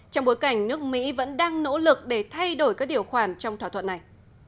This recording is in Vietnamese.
trong bối cảnh nước mỹ vẫn đang nỗ lực để thay đổi các điều khoản trong thỏa thuận này